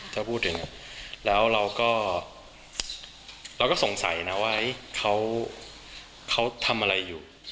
ถ้าพูดอย่างนี้แล้วเราก็เราก็สงสัยนะว่าเขาทำอะไรอยู่